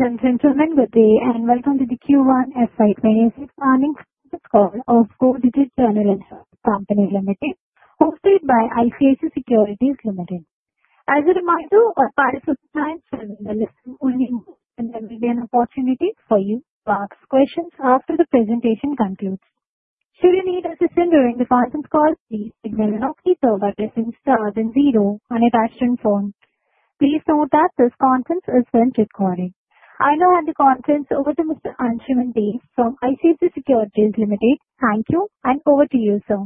Ladies and gentlemen, good day and welcome to the Q1 FY 2026 Earnings Call of Go Digit General Insurance Company Limited, hosted by ICICI Securities Limited. As a reminder, participants are in listen-only mode until there is an opportunity for you to ask questions after the presentation concludes. Should you need assistance during this conference call, please contact the operator by pressing star and zero on your touchtone phone. Please note that this conference is being recorded. I now hand the conference over to Mr. Anshuman Dey from ICICI Securities Limited. Thank you, and over to you, sir.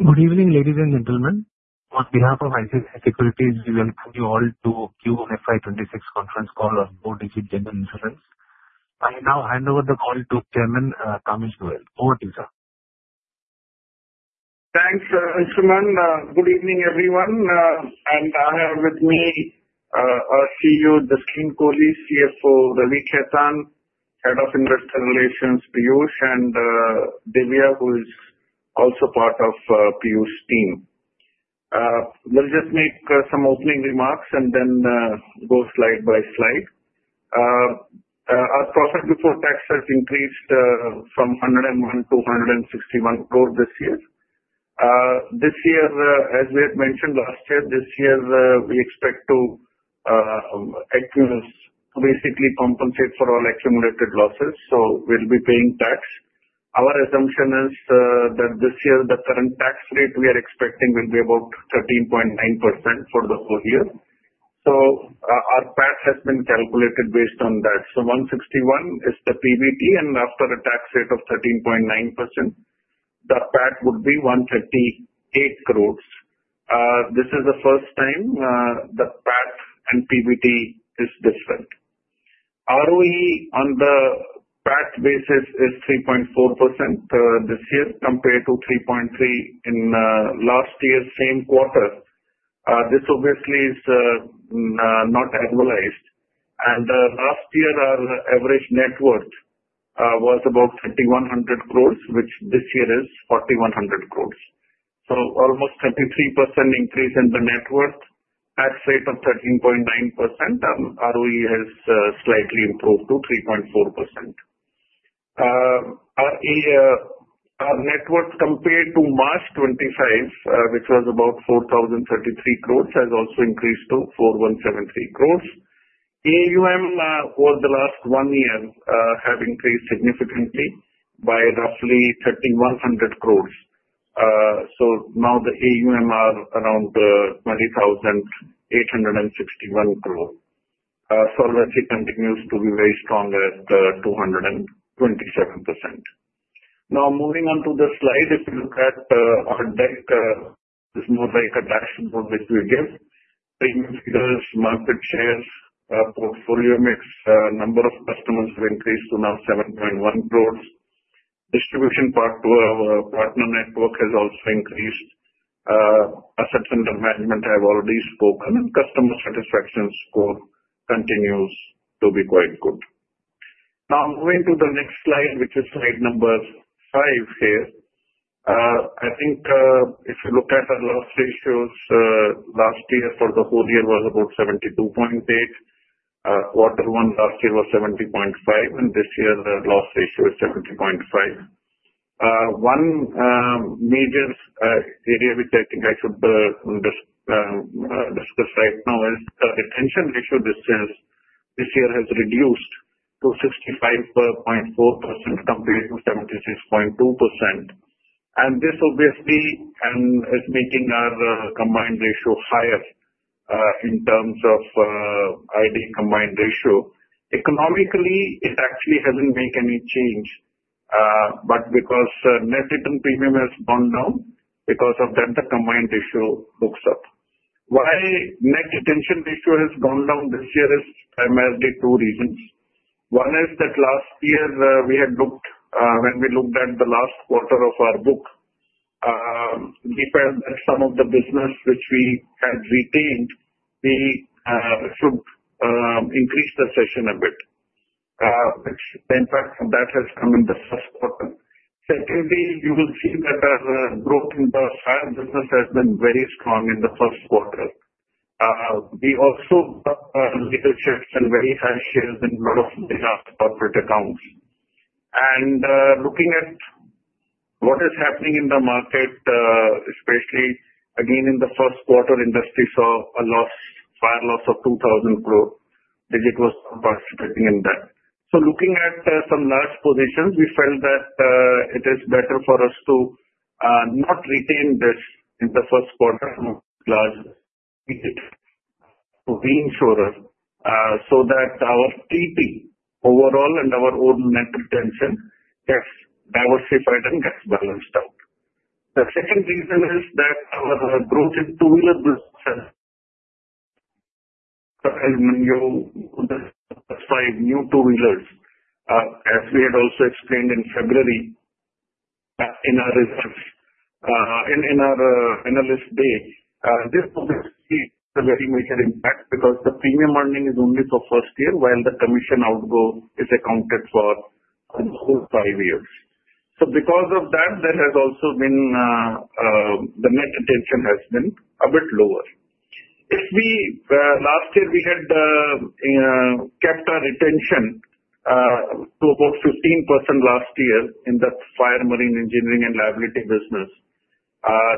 Good evening, ladies and gentlemen. On behalf of ICICI Securities, we welcome you all to Q1 FY 2026 conference call of Go Digit General Insurance. I now hand over the call to Chairman Kamesh Goyal. Over to you, sir. Thanks, Anshuman. Good evening, everyone. I have with me our CEO, Jasleen Kohli, CFO, Ravi Khetan, Head of Investor Relations, Piyush, and Divya, who is also part of Piyush's team. We'll just make some opening remarks and then go slide by slide. Our profit before tax has increased from 101 crore to 161 crore this year. This year, as we had mentioned last year, this year we expect to basically compensate for all accumulated losses, so we'll be paying tax. Our assumption is that this year the current tax rate we are expecting will be about 13.9% for the whole year. So our PAT has been calculated based on that. So 161 is the PBT, and after a tax rate of 13.9%, the PAT would be 138 crores. This is the first time the PAT and PBT is different. ROE on the PAT basis is 3.4% this year compared to 3.3% in last year's same quarter. This obviously is not annualized. Last year, our average net worth was about 3,100 crores, which this year is 4,100 crores. Almost 33% increase in the net worth at a rate of 13.9%. ROE has slightly improved to 3.4%. Our net worth compared to March 2025, which was about 4,033 crores, has also increased to 4,173 crores. AUM over the last one year has increased significantly by roughly 3,100 crores. Now the AUM are around 20,861 crores. Solvency continues to be very strong at 227%. Now, moving on to the slide, if you look at our deck, it's more like a dashboard which we give. Payment figures, market shares, portfolio mix, number of customers have increased to now 7.1 crores. Distribution part to our partner network has also increased. Assets under management have already spoken, and customer satisfaction score continues to be quite good. Now, moving to the next slide, which is slide number five here. I think if you look at our loss ratios, last year for the whole year was about 72.8%. Quarter one last year was 70.5%, and this year the loss ratio is 70.5%. One major area which I think I should discuss right now is the retention ratio. This year has reduced to 65.4% compared to 76.2%. And this obviously is making our combined ratio higher in terms of EBIT combined ratio. Economically, it actually hasn't made any change, but because net earned premium has gone down, because of that, the combined ratio looks up. Why net retention ratio has gone down this year is primarily two reasons. One is that last year we had looked when we looked at the last quarter of our book. We felt that some of the business which we had retained, we should increase the cession a bit. The impact of that has come in the first quarter. Secondly, you will see that our growth in the Fire business has been very strong in the first quarter. We also got leadership and very high shares in a lot of corporate accounts. Looking at what is happening in the market, especially again in the first quarter, industry saw a Fire loss of 2,000 crore. Digit was participating in that. Looking at some large positions, we felt that it is better for us to not retain this in the first quarter and largely reinsure so that our TP overall and our own net retention gets diversified and gets balanced out. The second reason is that our growth in two-wheeler business has. When you sell new two-wheelers, as we had also explained in February in our Analyst Day, this obviously has a very major impact because the premium earning is only for first year, while the commission outgo is accounted for the whole five years. So because of that, the net retention has been a bit lower. Last year, we had kept our retention to about 15% last year in the Fire, Marine, Engineering, and Liability business.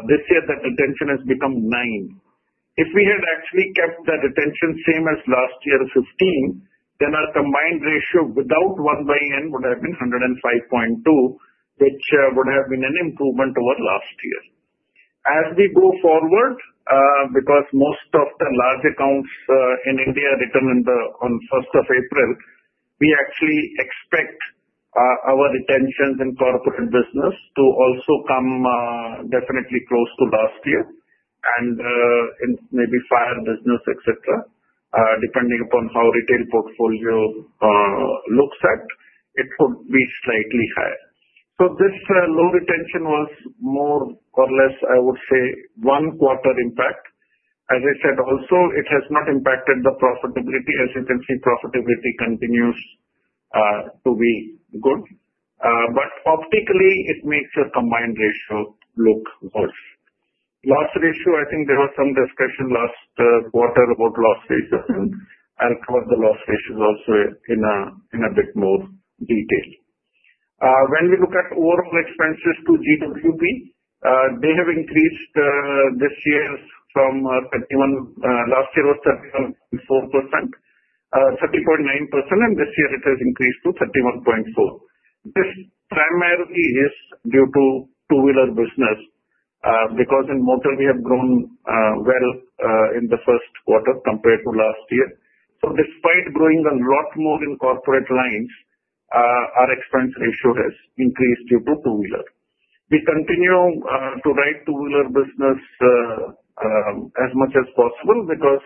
This year, that retention has become 9%. If we had actually kept that retention same as last year, 15%, then our combined ratio without 1/n would have been 105.2%, which would have been an improvement over last year. As we go forward, because most of the large accounts in India return on 1st of April, we actually expect our retentions in corporate business to also come definitely close to last year, and maybe Fire business, etc., depending upon how retail portfolio looks at, it could be slightly higher, so this low retention was more or less, I would say, one quarter impact. As I said, also, it has not impacted the profitability. As you can see, profitability continues to be good, but optically, it makes your combined ratio look worse. Loss ratio, I think there was some discussion last quarter about loss ratios. I'll cover the loss ratios also in a bit more detail. When we look at overall expenses to GWP, they have increased this year from last year was 31.4%, 30.9%, and this year it has increased to 31.4%. This primarily is due to two-wheeler business because in Motor, we have grown well in the first quarter compared to last year. So despite growing a lot more in corporate lines, our expense ratio has increased due to two-wheeler. We continue to ride two-wheeler business as much as possible because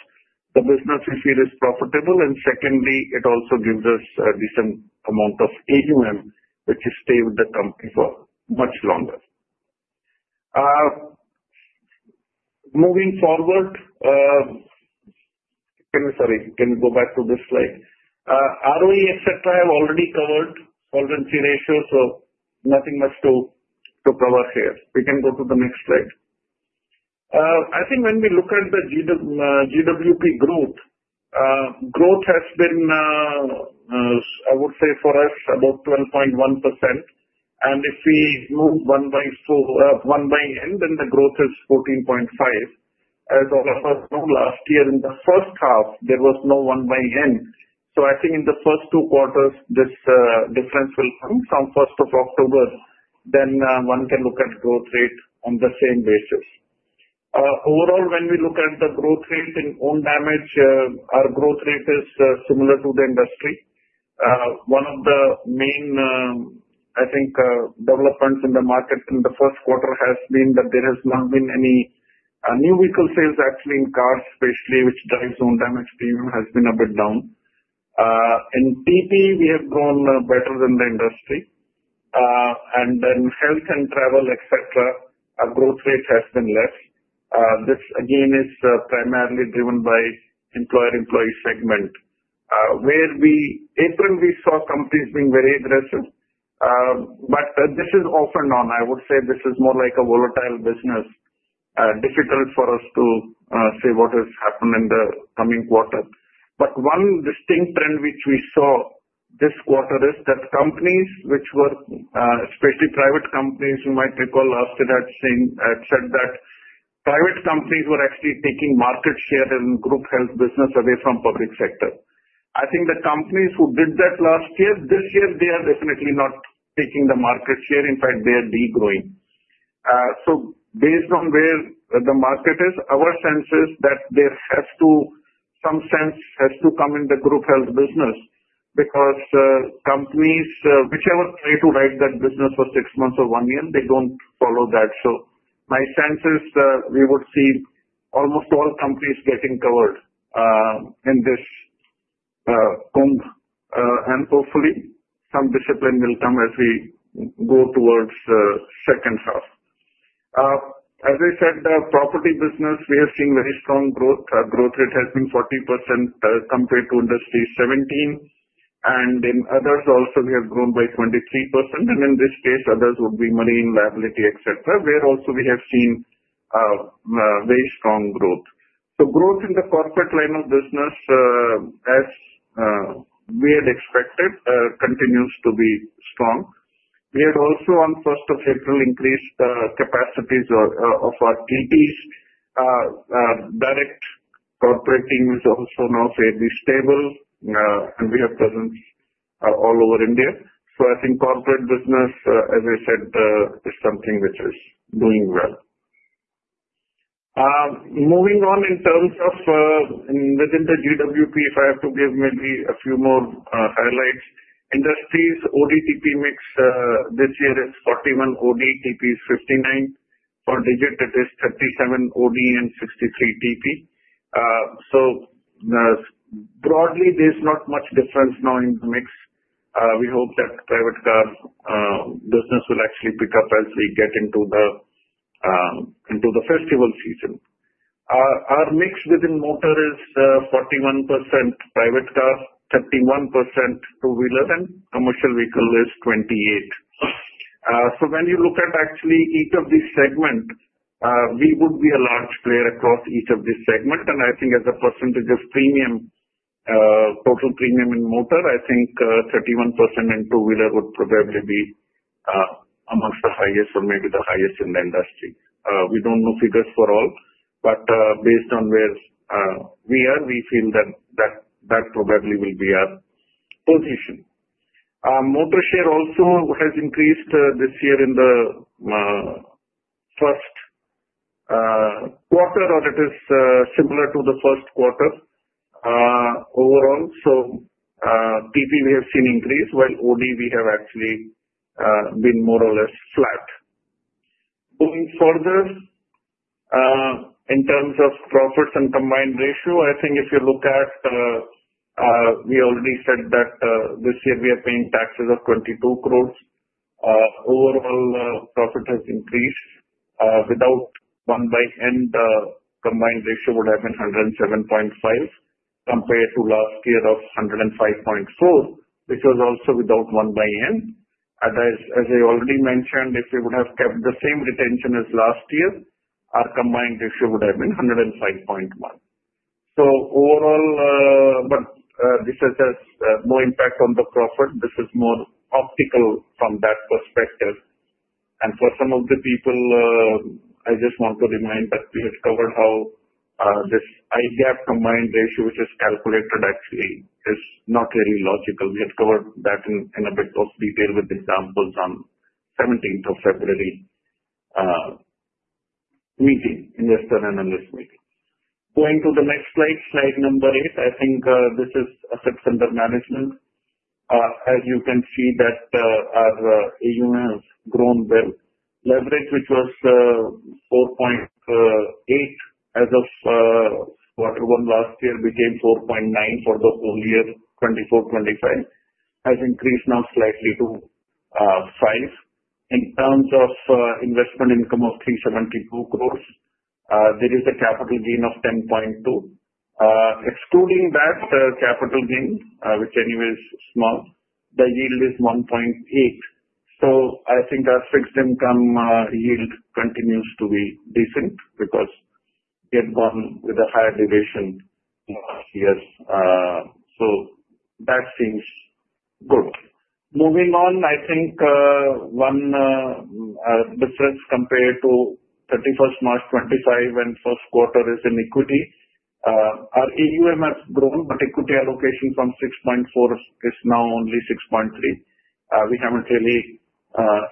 the business we feel is profitable. And secondly, it also gives us a decent amount of AUM, which stays with the company for much longer. Moving forward, sorry, can we go back to this slide? ROE, etc., I've already covered solvency ratio, so nothing much to cover here. We can go to the next slide. I think when we look at the GWP growth, growth has been, I would say, for us, about 12.1%. And if we move 1/n, then the growth is 14.5%. As all of us know, last year in the first half, there was no 1/n. So I think in the first two quarters, this difference will come from 1st of October. Then one can look at growth rate on the same basis. Overall, when we look at the growth rate in own damage, our growth rate is similar to the industry. One of the main, I think, developments in the market in the first quarter has been that there has not been any new vehicle sales, actually in cars, especially, which drives own damage premium, has been a bit down. In TP, we have grown better than the industry. And then Health and Travel, etc., our growth rate has been less. This, again, is primarily driven by employer-employee segment, where we in April, we saw companies being very aggressive. But this is off and on. I would say this is more like a volatile business, difficult for us to say what has happened in the coming quarter. But one distinct trend which we saw this quarter is that companies which were, especially private companies, you might recall last year had said that private companies were actually taking market share in group health business away from public sector. I think the companies who did that last year, this year, they are definitely not taking the market share. In fact, they are degrowing. So based on where the market is, our sense is that there has to some sense has to come in the group health business because companies, whichever way to ride that business for six months or one year, they don't follow that. So my sense is we would see almost all companies getting covered in this calm. Hopefully, some discipline will come as we go towards the second half. As I said, the property business, we have seen very strong growth. Our growth rate has been 40% compared to industry 17%. In others, also, we have grown by 23%. In this case, others would be Marine, Liability, etc., where also we have seen very strong growth. Growth in the corporate line of business, as we had expected, continues to be strong. We had also on 1st of April increased capacities of our TPs. Direct corporate team is also now fairly stable, and we have presence all over India. I think corporate business, as I said, is something which is doing well. Moving on in terms of within the GWP, if I have to give maybe a few more highlights, industry's OD/TP mix this year is 41 OD, TP is 59. For Digit, it is 37 OD and 63 TP. So broadly, there's not much difference now in the mix. We hope that private car business will actually pick up as we get into the festival season. Our mix within motor is 41% private car, 31% two-wheeler, and commercial vehicle is 28%. So when you look at actually each of these segments, we would be a large player across each of these segments. And I think as a percentage of premium, total premium in motor, I think 31% in two-wheeler would probably be amongst the highest or maybe the highest in the industry. We don't know figures for all. But based on where we are, we feel that that probably will be our position. Motor share also has increased this year in the first quarter, or it is similar to the first quarter overall. TP, we have seen increase, while OD, we have actually been more or less flat. Moving further in terms of profits and combined ratio, I think if you look at, we already said that this year we are paying taxes of 22 crores. Overall, profit has increased. Without 1/n, the combined ratio would have been 107.5% compared to last year of 105.4%, which was also without 1/n. As I already mentioned, if we would have kept the same retention as last year, our combined ratio would have been 105.1%. So overall, but this has no impact on the profit. This is more optical from that perspective. And for some of the people, I just want to remind that we had covered how this IGAAP combined ratio, which is calculated, actually is not really logical. We had covered that in a bit of detail with examples on 17th of February meeting in the Stern Analyst meeting. Going to the next slide, slide number eight, I think this is assets under management. As you can see, that our AUM has grown well. Leverage, which was 4.8 as of quarter one last year, became 4.9 for the whole year 2024, 2025, has increased now slightly to 5. In terms of investment income of 372 crores, there is a capital gain of 10.2 crores. Excluding that capital gain, which anyway is small, the yield is 1.8. So I think our fixed income yield continues to be decent because we had gone with a higher duration last year. So that seems good. Moving on, I think one difference compared to 31st March 2025 and first quarter is in equity. Our AUM has grown, but Equity allocation from 6.4% is now only 6.3%. We haven't really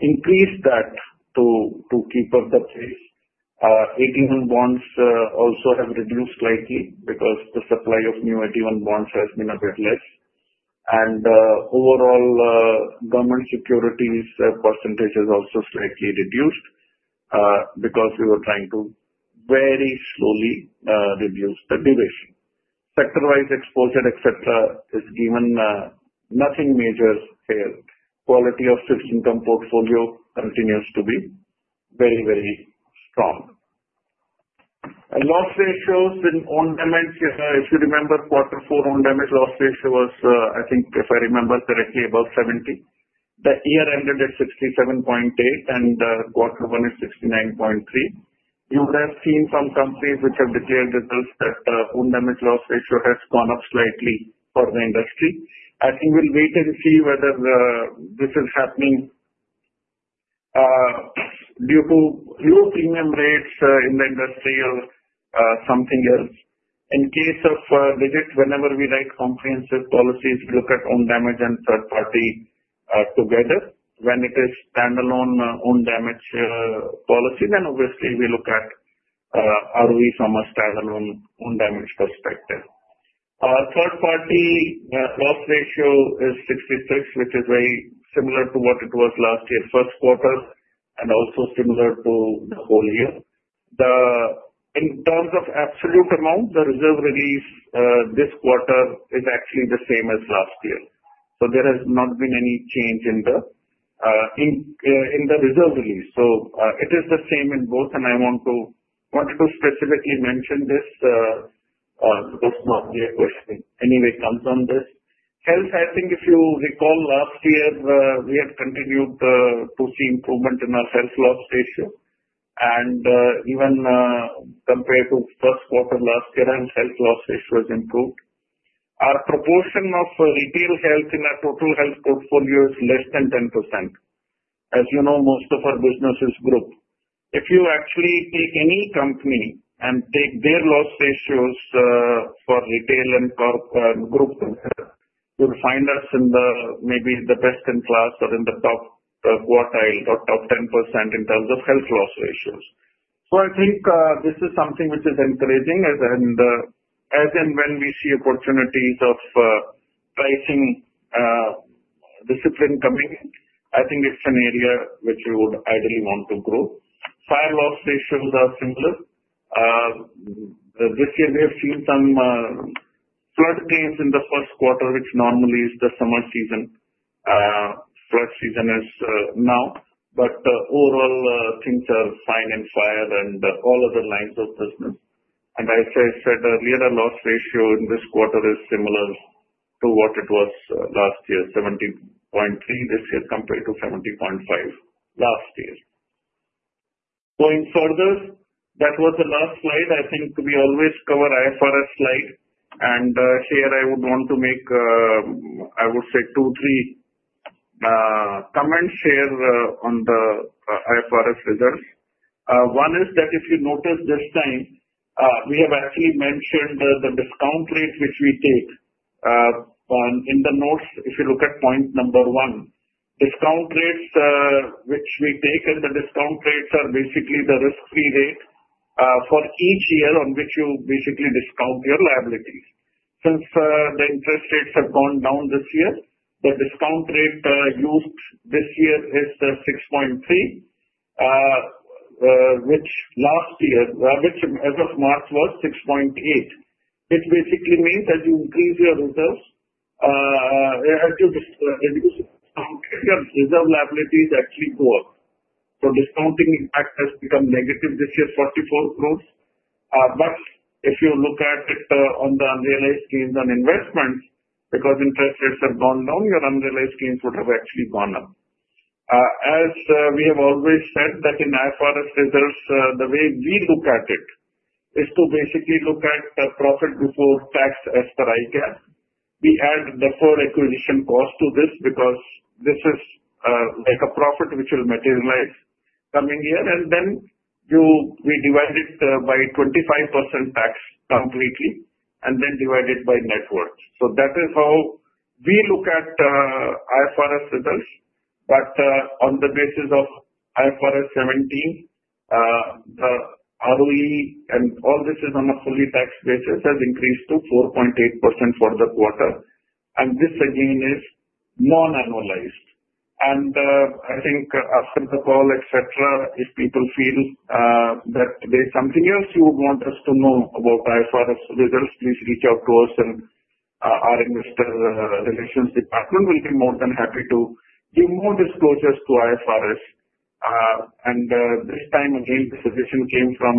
increased that to keep up the pace. AT1 Bonds also have reduced slightly because the supply of new AT1 Bonds has been a bit less. And overall, government securities percentage has also slightly reduced because we were trying to very slowly reduce the duration. Sector-wise exposure, etc., is given nothing major here. Quality of fixed income portfolio continues to be very, very strong. Loss ratios in own damage, if you remember, quarter four Own Damage loss ratio was, I think, if I remember correctly, above 70%. The year ended at 67.8%, and quarter one is 69.3%. You would have seen some companies which have declared results that own damage loss ratio has gone up slightly for the industry. I think we'll wait and see whether this is happening due to low premium rates in the industry or something else. In case of Digit, whenever we write comprehensive policies, we look at own damage and third party together. When it is standalone own damage policy, then obviously we look at ROE from a standalone own damage perspective. Our Third Party loss ratio is 66%, which is very similar to what it was last year, first quarter, and also similar to the whole year. In terms of absolute amount, the reserve release this quarter is actually the same as last year. So there has not been any change in the reserve release. So it is the same in both. And I want to specifically mention this because my question anyway comes on this. Health, I think if you recall last year, we have continued to see improvement in our Health loss ratio. And even compared to first quarter last year, our Health loss ratio has improved. Our proportion of retail Health in our total Health portfolio is less than 10%. As you know, most of our business is group. If you actually take any company and take their loss ratios for retail and group, you'll find us in maybe the best in class or in the top quartile or top 10% in terms of Health loss ratios. So I think this is something which is encouraging. And as in when we see opportunities of pricing discipline coming, I think it's an area which we would ideally want to grow. Fire loss ratios are similar. This year, we have seen some flood gains in the first quarter, which normally is the summer season. Flood season is now, but overall, things are fine in Fire and all other lines of business, and as I said earlier, our loss ratio in this quarter is similar to what it was last year, 70.3% this year compared to 70.5% last year. Going further, that was the last slide. I think we always cover IFRS slide. And here, I would want to make, I would say, two, three comments here on the IFRS results. One is that if you notice this time, we have actually mentioned the discount rate which we take. In the notes, if you look at point number one, discount rates which we take and the discount rates are basically the risk-free rate for each year on which you basically discount your liabilities. Since the interest rates have gone down this year, the discount rate used this year is 6.3, which last year, which as of March was 6.8. It basically means as you increase your reserves, as you reduce your discount, your reserve liabilities actually go up. So discounting impact has become negative this year, 44 crores. But if you look at it on the unrealized gains on investment, because interest rates have gone down, your unrealized gains would have actually gone up. As we have always said that in IFRS results, the way we look at it is to basically look at profit before tax as per IGAAP. We add the full acquisition cost to this because this is like a profit which will materialize coming year. And then we divide it by 25% tax completely and then divide it by net worth. So that is how we look at IFRS results. But on the basis of IFRS 17, the ROE and all this is on a fully taxed basis has increased to 4.8% for the quarter. And this again is non-annualized. And I think after the call, etc., if people feel that there's something else you would want us to know about IFRS results, please reach out to us. And our investor relations department will be more than happy to give more disclosures to IFRS. And this time, again, the suggestion came from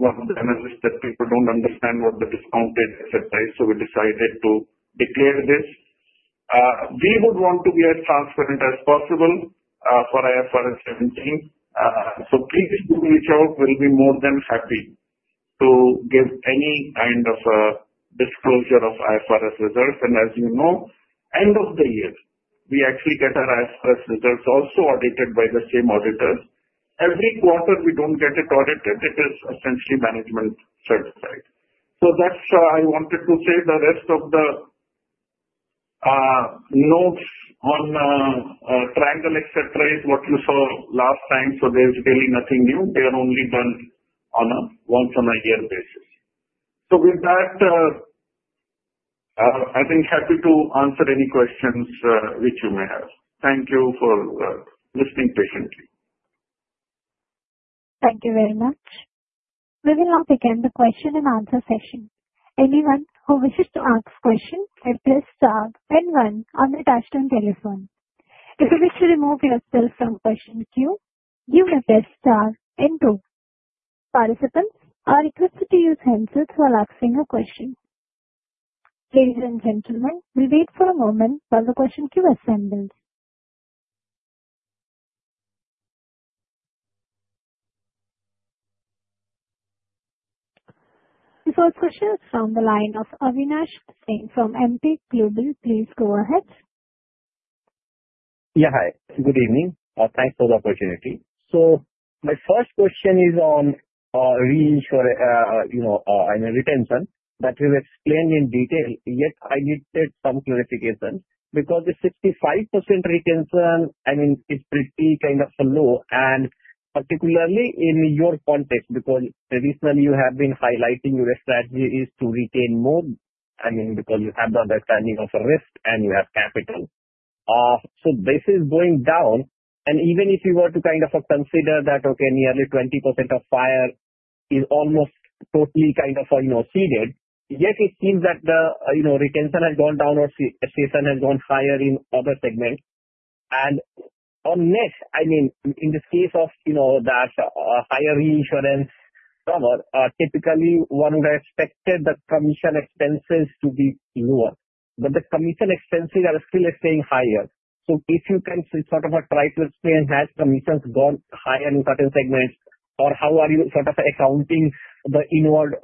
one of the analysts that people don't understand what the discount date, etc. is. So we decided to declare this. We would want to be as transparent as possible for IFRS 17. So please do reach out. We'll be more than happy to give any kind of disclosure of IFRS results. And as you know, end of the year, we actually get our IFRS results also audited by the same auditors. Every quarter, we don't get it audited. It is essentially management certified. So that's why I wanted to say the rest of the notes on triangle, etc., is what you saw last time. So there's really nothing new. They are only done on a once-in-a-year basis. So with that, I think happy to answer any questions which you may have. Thank you for listening patiently. Thank you very much. We will now begin the question and answer session. Anyone who wishes to ask a question may press star and one on the touchscreen telephone. If you wish to remove yourself from question queue, you may press star and two. Participants are requested to use handsets while asking a question. Ladies and gentlemen, we'll wait for a moment while the question queue assembles. The first question is from the line of Avinash Singh from Emkay Global. Please go ahead. Yeah, hi. Good evening. Thanks for the opportunity. My first question is on reinsurance and retention that we've explained in detail, yet I needed some clarification because the 65% retention, I mean, is pretty kind of low. And particularly in your context, because traditionally you have been highlighting your strategy is to retain more, I mean, because you have the understanding of risk and you have capital. This is going down. And even if you were to kind of consider that, okay, nearly 20% of Fire is almost totally kind of ceded, yet it seems that retention has gone down or retention has gone higher in other segments. And on net, I mean, in this case of that higher reinsurance, typically one would have expected the commission expenses to be lower. But the commission expenses are still staying higher. So if you can sort of try to explain has commissions gone higher in certain segments, or how are you sort of accounting the involved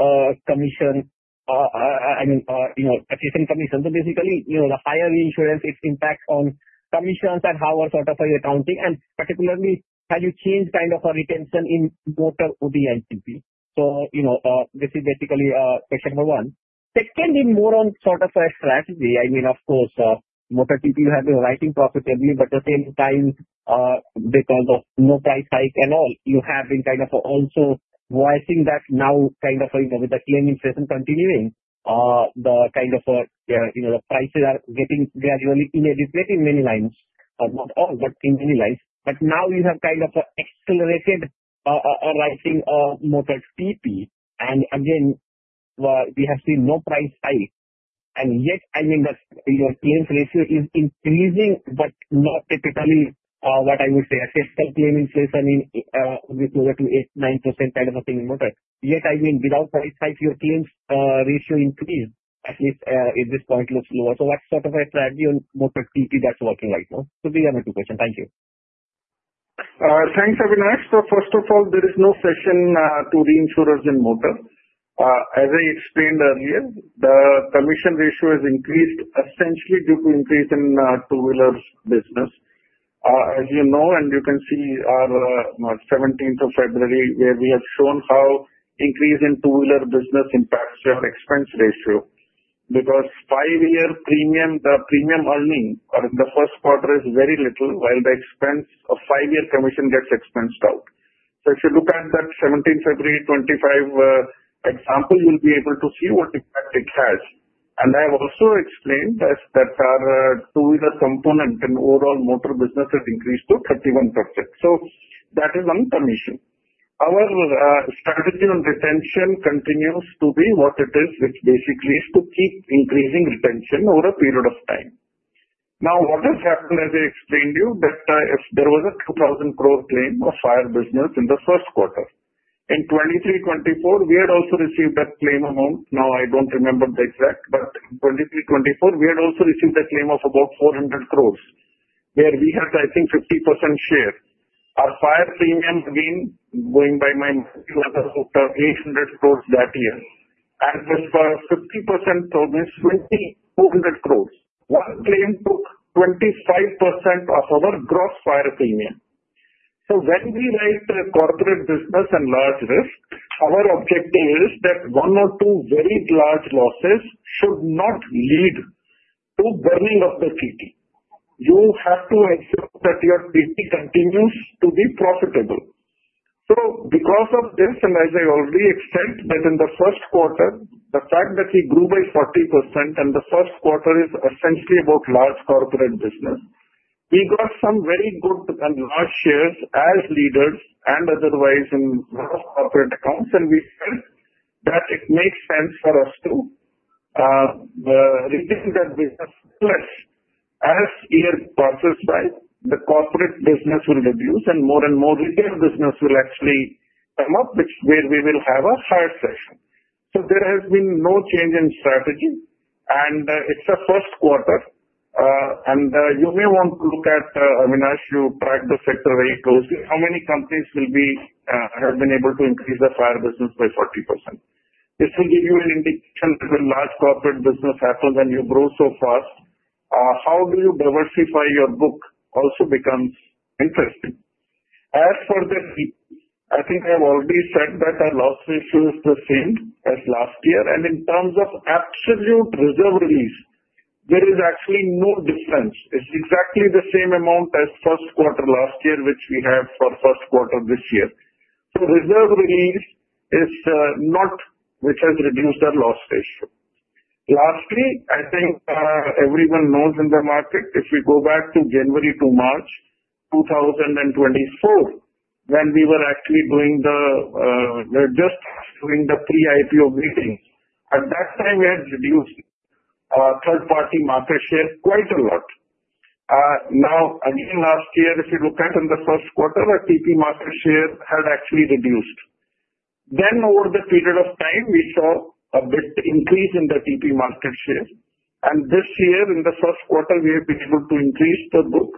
commission, I mean, adjacent commissions. So basically, the higher reinsurance, its impact on commissions and how sort of are you accounting. And particularly, have you changed kind of retention in Motor OD and TP? So this is basically question number one. Second, in more on sort of a strategy, I mean, of course, Motor TP you have been writing profitably, but at the same time, because of no price hike and all, you have been kind of also voicing that now kind of with the claim inflation continuing, the kind of the prices are getting gradually inadequate in many lines, not all, but in many lines. But now you have kind of accelerated writing of Motor TP. And again, we have seen no price hike. Yet, I mean, your claims ratio is increasing, but not typically what I would say such a claim inflation with over 8%-9% kind of a thing in Motor. Yet, I mean, without price hike, your claims ratio increased, at least at this point looks lower. What sort of a strategy on Motor TP that's working right now? These are my two questions. Thank you. Thanks, Avinash. So first of all, there is no cession to reinsurers in Motor. As I explained earlier, the commission ratio has increased essentially due to increase in two-wheelers business. As you know, and you can see our 17th of February 2025 where we have shown how increase in two-wheeler business impacts your expense ratio because five-year premium, the premium earning in the first quarter is very little, while the expense of five-year commission gets expensed out. So if you look at that 17th February 2025 example, you'll be able to see what impact it has. And I have also explained that our two-wheeler component in overall motor business has increased to 31%. So that is one commission. Our strategy on retention continues to be what it is, which basically is to keep increasing retention over a period of time. Now, what has happened, as I explained to you, that if there was a 2,000 crore claim of Fire business in the first quarter, in 2023-2024, we had also received that claim amount. Now, I don't remember the exact, but in 2023-2024, we had also received a claim of about 400 crores, where we had, I think, 50% share. Our Fire premium was almost 800 crores that year. And as per 50%, so means 2,200 crores. One claim took 25% of our gross Fire premium. So when we write corporate business and large risk, our objective is that one or two very large losses should not lead to burning of the TP. You have to ensure that your TP continues to be profitable. Because of this, and as I already explained, that in the first quarter, the fact that we grew by 40% and the first quarter is essentially about large corporate business, we got some very good and large shares as leaders and otherwise in large corporate accounts. We felt that it makes sense for us to retain that business as the year passes by. The corporate business will reduce and more and more retail business will actually come up, which is where we will have a higher cession. There has been no change in strategy. It is a first quarter. You may want to look at, Avinash. You track the sector very closely. How many companies will have been able to increase the Fire business by 40%? This will give you an indication that when large corporate business happens and you grow so fast, how do you diversify your book also becomes interesting. As for the TP, I think I've already said that our loss ratio is the same as last year, and in terms of absolute reserve release, there is actually no difference. It's exactly the same amount as first quarter last year, which we have for first quarter this year. So, reserve release is not which has reduced our loss ratio. Lastly, I think everyone knows in the market, if we go back to January to March 2024, when we were actually doing the pre-IPO meetings, at that time, we had reduced Third Party market share quite a lot. Now, again, last year, if you look at in the first quarter, our TP market share had actually reduced. Then, over the period of time, we saw a bit increase in the TP market share. And this year, in the first quarter, we have been able to increase the book.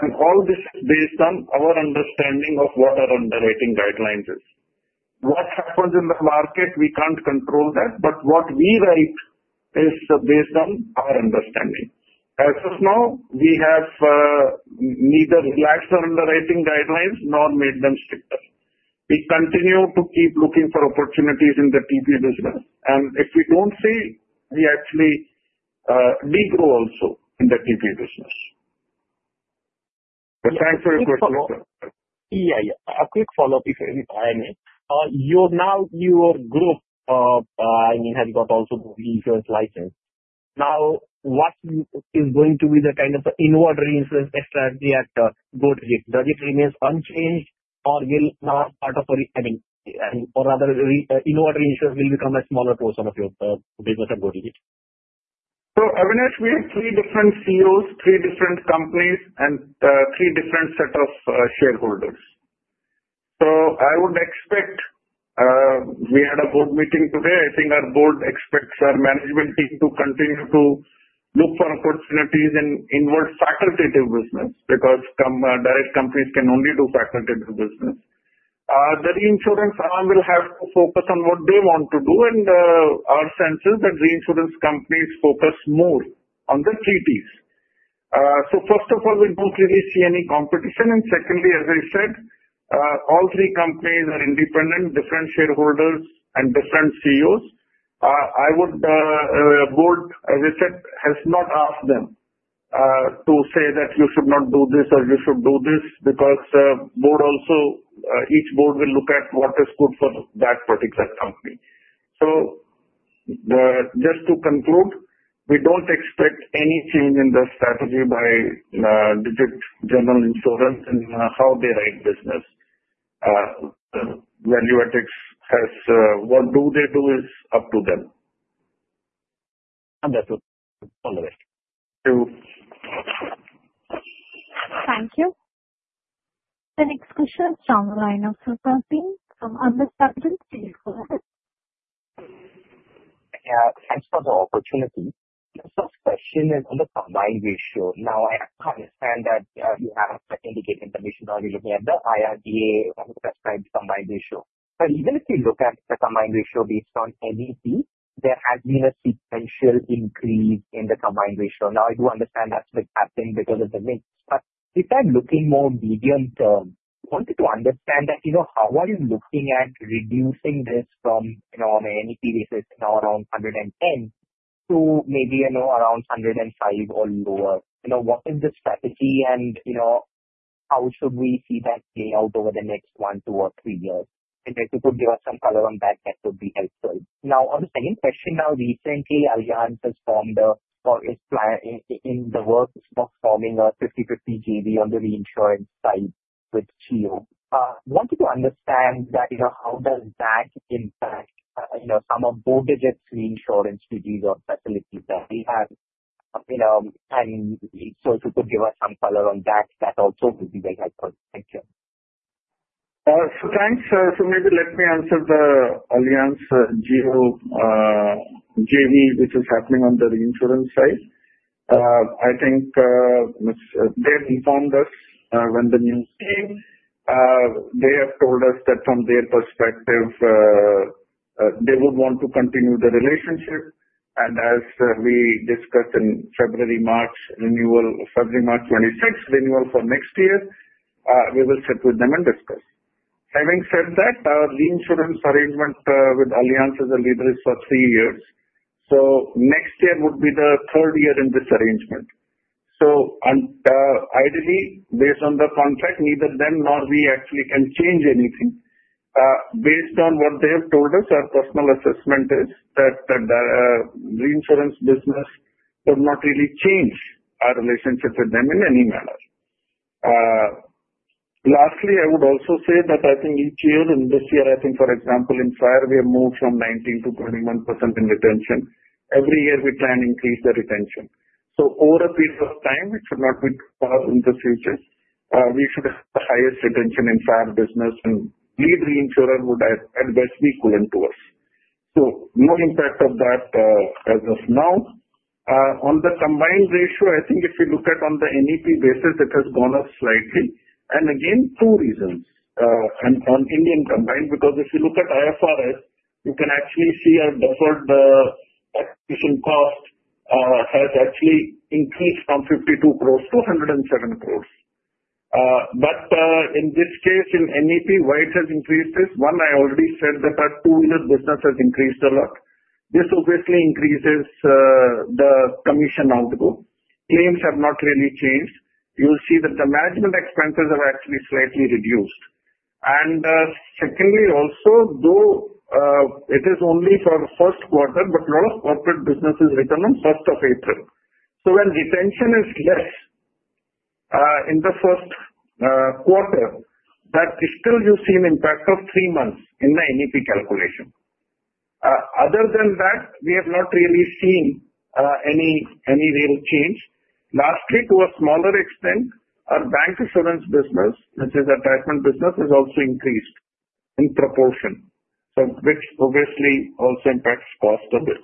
And all this is based on our understanding of what our underwriting guidelines is. What happens in the market, we can't control that. But what we write is based on our understanding. As of now, we have neither relaxed our underwriting guidelines nor made them stricter. We continue to keep looking for opportunities in the TP business. And if we don't see, we actually regrow also in the TP business. But thanks for your question. Yeah, yeah. A quick follow-up, if I may. Now your group, I mean, has got also the reinsurance license. Now, what is going to be the kind of inward reinsurance strategy at Go Digit? Does it remain unchanged or will now part of, I mean, or rather inward reinsurance will become a smaller portion of your business at Go Digit? Avinash, we have three different CEOs, three different companies, and three different sets of shareholders. I would expect we had a Board meeting today. I think our Board expects our management team to continue to look for opportunities in inward facultative business because direct companies can only do facultative business. The reinsurance arm will have to focus on what they want to do. Our sense is that reinsurance companies focus more on the TPs. First of all, we don't really see any competition. Secondly, as I said, all three companies are independent, different shareholders, and different CEOs. I would, as I said, have not asked them to say that you should not do this or you should do this because each board will look at what is good for that particular company. So just to conclude, we don't expect any change in the strategy by Digit General Insurance and how they write business. Value added has what do they do is up to them. Understood. All the best. Thank you. Thank you. The next question is from the line of please go ahead. Thanks for the opportunity. The first question is on the combined ratio. Now, I can't understand that you have indicated the mismatch while you're looking at the IRDAI on the prescribed combined ratio. But even if you look at the combined ratio based on NEP, there has been a sequential increase in the combined ratio. Now, I do understand that's been happening because of the mix. But if I'm looking more medium term, I wanted to understand that how are you looking at reducing this from NEP basis now around 110 to maybe around 105 or lower? What is the strategy and how should we see that play out over the next one, two, or three years? And if you could give us some color on that, that would be helpful. Now, on the second question, now recently, Avinash has formed or is in the works of forming a 50/50 JV on the reinsurance side with Jio. I wanted to understand that how does that impact some of Go Digit's reinsurance treaties or facilities that we have? And so if you could give us some color on that, that also would be very helpful. Thank you. Thanks. Maybe let me answer the Allianz-Jio JV, which is happening on the reinsurance side. I think they have informed us when the new team. They have told us that from their perspective, they would want to continue the relationship. And as we discussed in February, March 26, renewal for next year, we will sit with them and discuss. Having said that, our reinsurance arrangement with Allianz as a leader is for three years. Next year would be the third year in this arrangement. Ideally, based on the contract, neither them nor we actually can change anything. Based on what they have told us, our personal assessment is that the reinsurance business would not really change our relationship with them in any manner. Lastly, I would also say that I think each year and this year, I think, for example, in Fire, we have moved from 19% to 21% in retention. Every year, we plan to increase the retention. So over a period of time, it should not be too far in the future, we should have the highest retention in Fire business. And lead reinsurer would advise me equally to us. So no impact of that as of now. On the combined ratio, I think if you look at on the NEP basis, it has gone up slightly. And again, two reasons. And on Indian combined, because if you look at IFRS, you can actually see our deferred acquisition cost has actually increased from 52 crores to 107 crores. But in this case, in NEP, why it has increased is one, I already said that our two-wheeler business has increased a lot. This obviously increases the commission output. Claims have not really changed. You'll see that the management expenses have actually slightly reduced, and secondly, also, though it is only for the first quarter, but a lot of corporate business is written on 1st of April, so when retention is less in the first quarter, that's the impact you've seen of three months in the NEP calculation. Other than that, we have not really seen any real change. Lastly, to a smaller extent, our bank insurance business, which is a dominant business business, has also increased in proportion, which obviously also impacts cost a bit,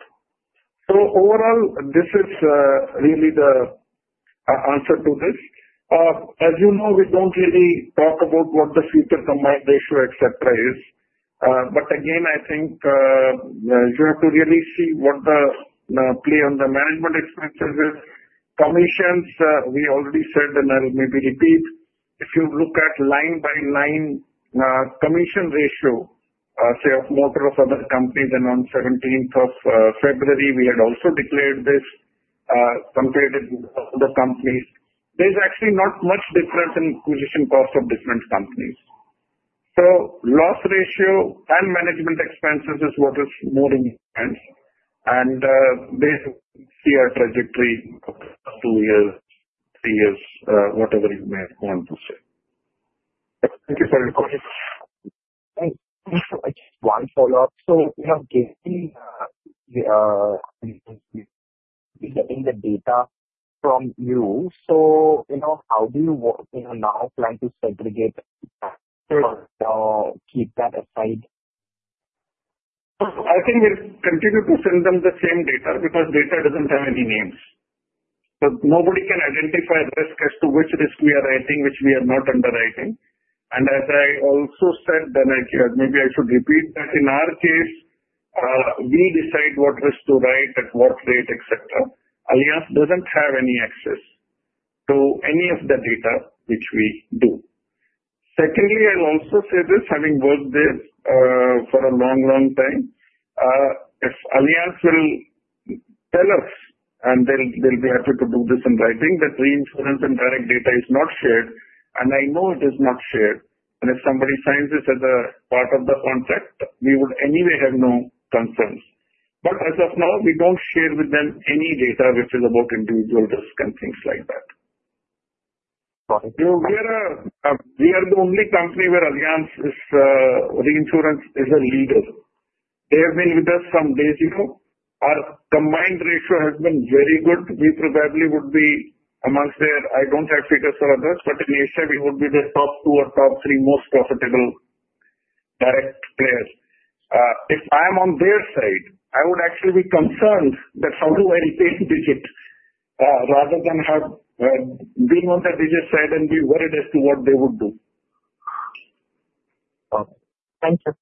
so overall, this is really the answer to this. As you know, we don't really talk about what the future combined ratio, etc., is, but again, I think you have to really see what the play on the management expenses is. Commissions, we already said, and I'll maybe repeat. If you look at line-by-line commission ratio, say of Motor of other companies and on 17th of February, we had also declared this, compared to the companies. There's actually not much difference in acquisition cost of different companies. So loss ratio and management expenses is what is more important. And we see our trajectory of two years, three years, whatever you may want to say. Thank you for your question. Thanks. One follow-up. So we have gained the data from you. So how do you now plan to segregate that or keep that aside? I think we'll continue to send them the same data because data doesn't have any names. So nobody can identify risk as to which risk we are writing, which we are not underwriting. And as I also said, then maybe I should repeat that in our case, we decide what risk to write, at what rate, etc. Allianz doesn't have any access to any of the data which we do. Secondly, I'll also say this, having worked there for a long, long time, if Allianz will tell us, and they'll be happy to do this in writing, that reinsurance and direct data is not shared. And I know it is not shared. And if somebody signs this as a part of the contract, we would anyway have no concerns. But as of now, we don't share with them any data which is about individual risk and things like that. Got it. We are the only company where Allianz reinsurance is a leader. They have been with us from day zero. Our combined ratio has been very good. We probably would be amongst their. I don't have figures for others, but in Asia, we would be the top two or top three most profitable direct players. If I am on their side, I would actually be concerned that how do I retain Digit rather than have been on the Digit side and be worried as to what they would do. Got it. Thank you.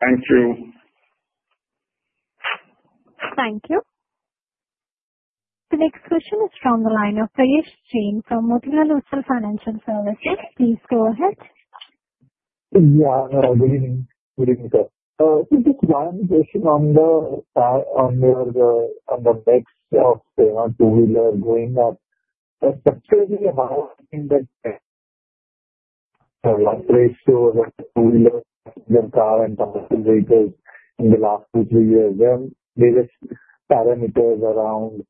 Thank you. Thank you. The next question is from the line of Prayesh Jain from Motilal Oswal Financial Services. Please go ahead. Yeah. Good evening. Good evening, sir. Just one question on the nexus of the two-wheeler going up. Especially about in the loss ratio of two-wheelers, the car and commercial vehicles in the last two, three years, when various parameters around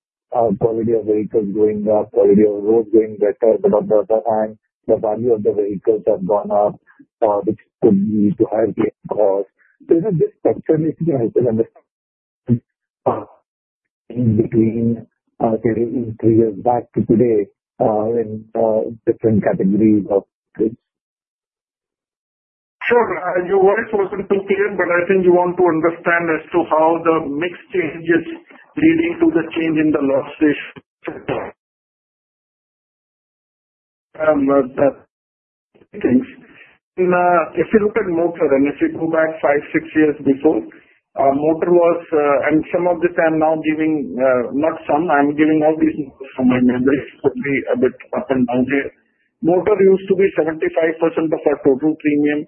quality of vehicles going up, quality of roads going better, but on the other hand, the value of the vehicles have gone up, which could lead to higher claim costs. Is it this spectrum if you can understand in between, say, in three years back to today in different categories of goods? Sure. Your words were a little clear, but I think you want to understand as to how the mix changes leading to the change in the loss ratio. Thanks. If you look at Motor and if you go back five, six years before, Motor was, and some of this I'm now giving not some, I'm giving all these numbers from my memory. It could be a bit up and down here. Motor used to be 75% of our total premium.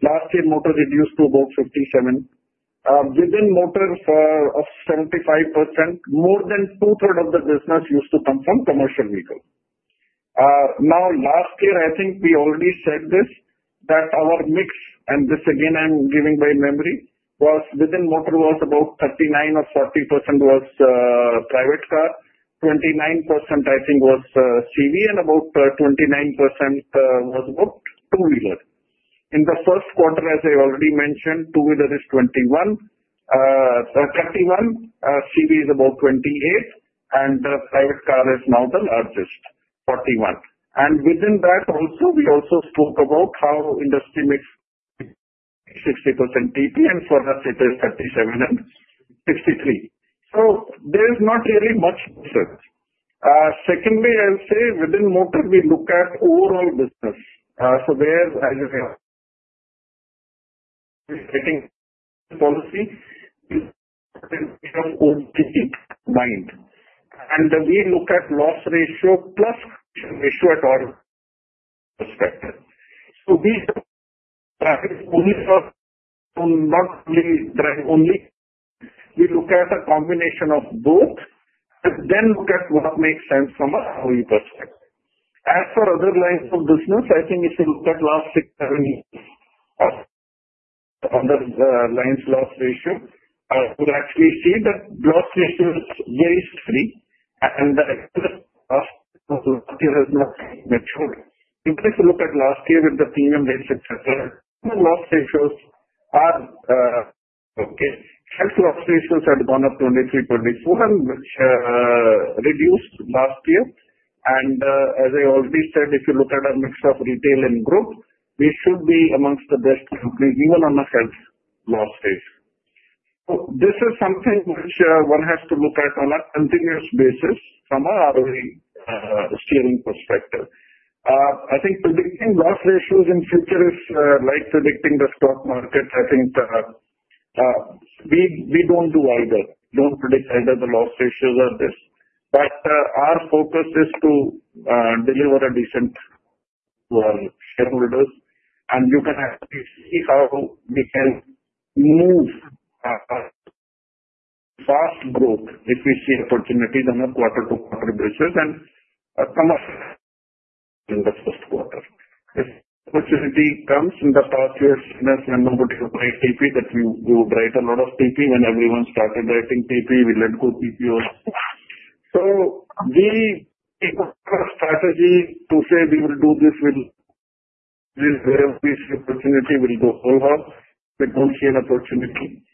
Last year, Motor reduced to about 57%. Within Motor of 75%, more than 2/3 of the business used to come from commercial vehicles. Now, last year, I think we already said this, that our mix, and this again I'm giving by memory, was within Motor was about 39% or 40% was private car, 29% I think was CV, and about 29% was about two-wheeler. In the first quarter, as I already mentioned, two-wheeler is 21%, 31%, CV is about 28%, and private car is now the largest, 41%, and within that also, we also spoke about how industry mix is 60% TP and for us, it is 37% and 63%, so there is not really much research. Secondly, I'll say within Motor, we look at overall business, so whereas you have rating policy, we have own TP mix, and we look at loss ratio plus commission ratio at all perspectives, so we only look at a combination of both and then look at what makes sense from a OE perspective. As for other lines of business, I think if you look at last six, seven years on the lines loss ratio, you'll actually see that loss ratio is very steady, and the loss ratio has not matured. Even if you look at last year with the premium ratio, etc., the loss ratios are okay. Health loss ratios had gone up 2023, 2024, which reduced last year. And as I already said, if you look at our mix of retail and group, we should be among the best companies even on a health loss ratio. So this is something which one has to look at on a continuous basis from our steering perspective. I think predicting loss ratios in future is like predicting the stock market. I think we don't do either. We don't predict either the loss ratios or this. But our focus is to deliver a decent to our shareholders. And you can actually see how we can move fast growth if we see opportunities on a quarter-to-quarter basis and some are in the first quarter. If opportunity comes in the past years, when nobody would write TP, that we would write a lot of TP. When everyone started writing TP, we let go TP also. So we take our strategy to say we will do this, we'll have this opportunity, we'll go full hog. We don't see an opportunity.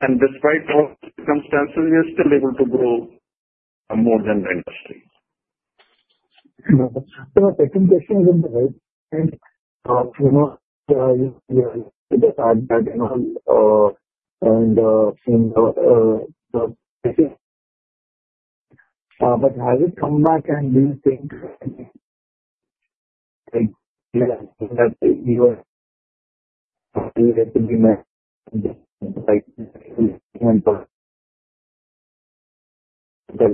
And despite all circumstances, we are still able to grow more than the industry. My second question is on the Has it come back and do you think that you are starting to be Sorry,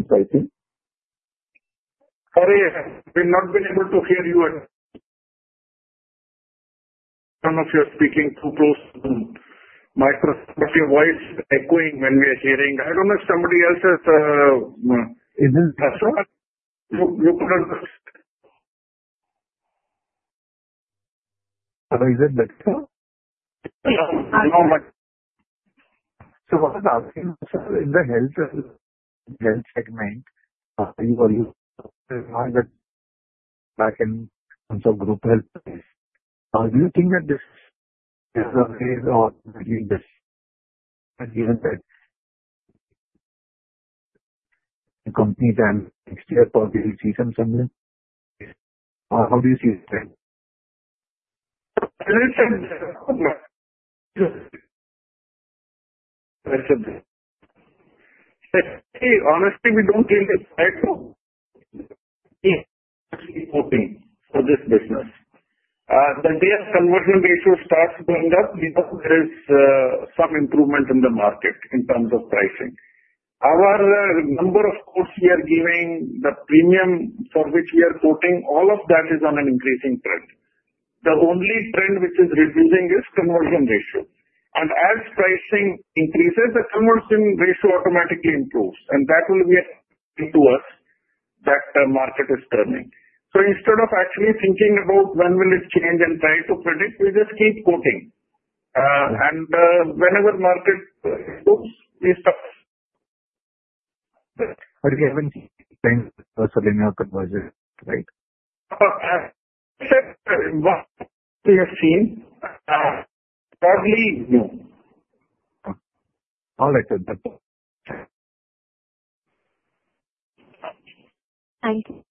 we've not been able to hear you. As some of you are speaking too close. Your voice is echoing when we are hearing. I don't know if somebody else has a device. You could have the. Is it better? No. So, what I was asking was in the Health segment, you were using back in. In terms of group Health, do you think that this is, or given that the company can next year probably see some selling? How do you see it then? Honestly, we don't really expect to see much quoting for this business. The day the conversion ratio starts going up, we know there is some improvement in the market in terms of pricing. Our number of quotes we are giving, the premium for which we are quoting, all of that is on an increasing trend. The only trend which is reducing is conversion ratio, and as pricing increases, the conversion ratio automatically improves. And that will be a sign to us that the market is turning, so instead of actually thinking about when will it change and try to predict, we just keep quoting, and whenever market moves, we stop. But we haven't seen anything in terms of any conversion, right? As I said, what we have seen, probably no. All right. Thank you.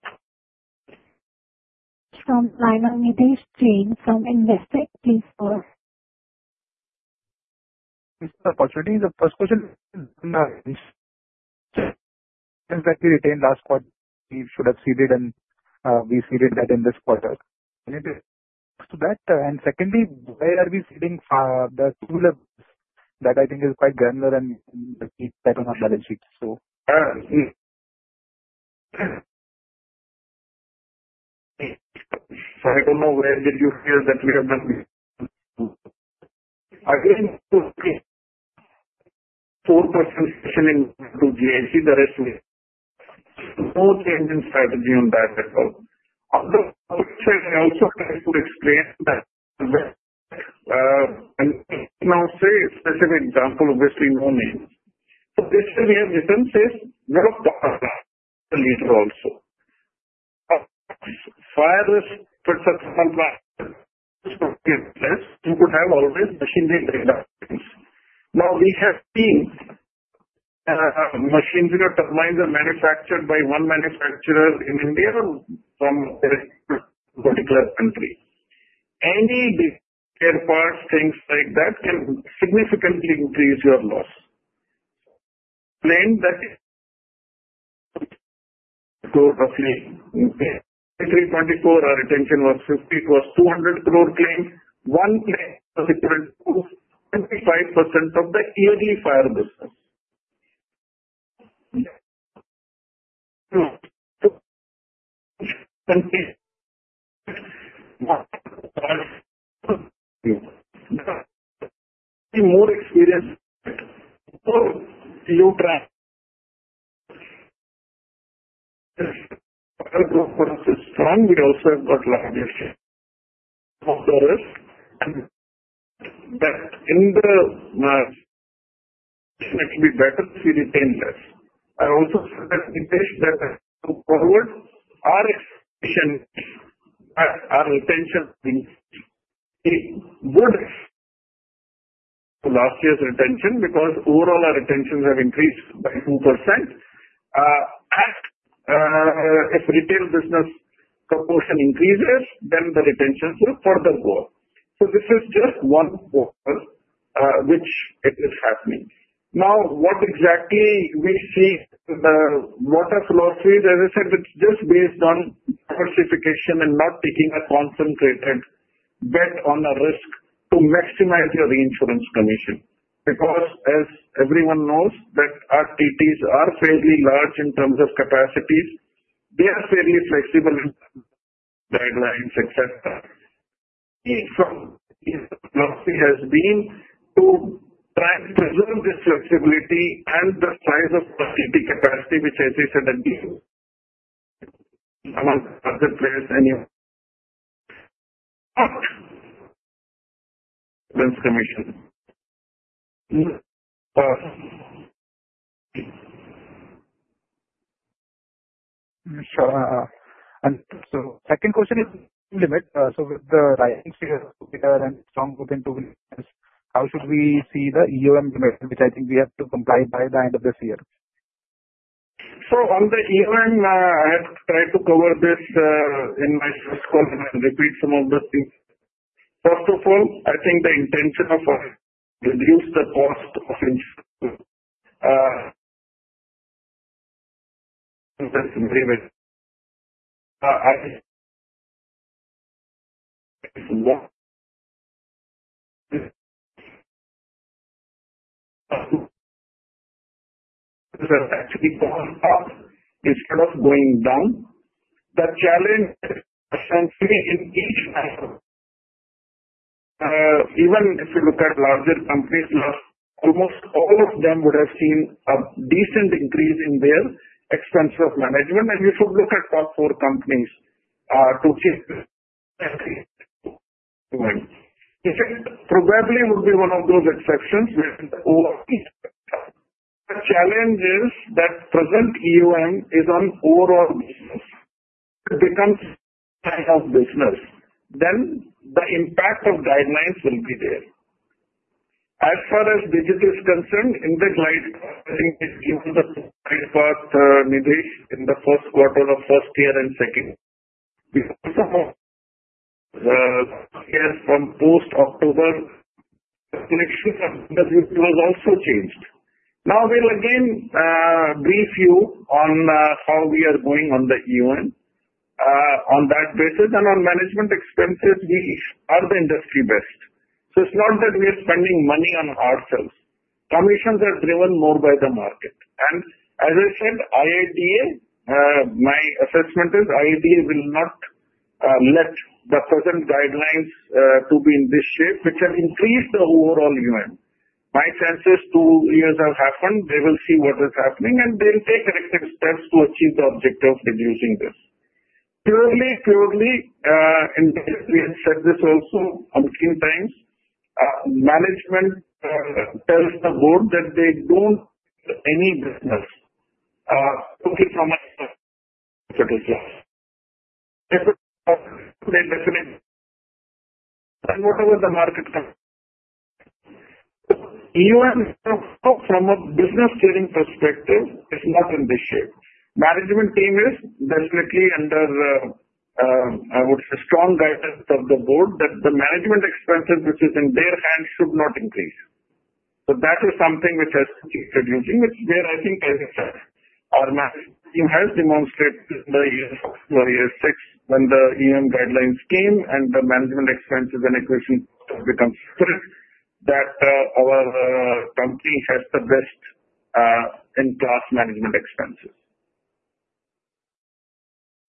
From Nidhesh Jain from Investec, please go ahead. This is an opportunity. The first question is that we retained last quarter. We should have ceded and we ceded that in this quarter. To that, and secondly, where are we ceding the two levels that I think is quite granular and the key pattern on balance sheet? So. Yeah, so I don't know where did you hear that we have done this. no change in strategy on that at all. On the other side, I also tried to explain that when I now say a specific example, obviously no name. So basically, we have written, say, a power plant policy also. If it's a power plant, it's okay. Let's say you could have all the machinery and other things. Now, we have seen machinery or turbines are manufactured by one manufacturer in India or from a particular country. Any spare parts, things like that can significantly increase your loss. Claims that went roughly in 2023-2024, our retention was 50%, it was 200 crore claim. One claim was equal to 25% of the yearly Fire business. The more experienced, you track. If portfolio growth was strong, we also have got larger share of the risk. And that in the market, it will be better if we retain less. I also said that going forward, our retention would be last year's retention because overall our retentions have increased by 2%. If retail business proportion increases, then the retention will further go. So this is just one quarter which it is happening. Now, what exactly we see in the waterfall fees, as I said, it's just based on diversification and not taking a concentrated bet on a risk to maximize your reinsurance commission. Because as everyone knows, that our TPs are fairly large in terms of capacities. They are fairly flexible in terms of guidelines, etc. So the policy has been to try and preserve this flexibility and the size of the TP capacity, which, as I said, I believe among other players any commission. Second question is limit. So with the line item's figure and strong within two-wheelers, how should we see the EOM limit, which I think we have to comply by the end of this year? So on the EOM, I have tried to cover this in my first call and repeat some of the things. First of all, I think the intention of reducing the cost of insurance. This has actually gone up instead of going down. The challenge is essentially in each manufacturer. Even if you look at larger companies, almost all of them would have seen a decent increase in their expense management. And you should look at top four companies to see if it probably would be one of those exceptions where the overall expense. The challenge is that present EOM is on overall business. It becomes a side of business. Then the impact of guidelines will be there. As far as Digit is concerned, in the guide Nidhesh, in the first quarter of first year and second. Because some of the guidance from post-October, the collection of the duty was also changed. Now, we'll again brief you on how we are going on the EOM on that basis, and on management expenses, we are the industry best. So it's not that we are spending money on ourselves. Commissions are driven more by the market, and as I said, IRDAI, my assessment is IRDAI will not let the present guidelines to be in this shape, which have increased the overall EOM. My sense is two years have happened. They will see what is happening, and they'll take corrective steps to achieve the objective of reducing this. Purely, purely, and we have said this also a million times, management tells the Board that they don't do any business. Talking from my perspective, yes. If it's definitely, and whatever the market comes. EOM, from a business steering perspective, is not in this shape. Management team is definitely under, I would say, strong guidance of the Board that the management expenses, which is in their hands, should not increase. So that is something which has to be introduced, which where I think, as I said, our management team has demonstrated in the year six, when the EOM guidelines came and the management expenses and equation becomes strict, that our company has the best-in-class management expenses.